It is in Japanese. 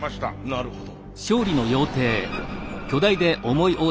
なるほど。